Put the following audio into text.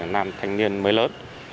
nam thanh niên mới lớn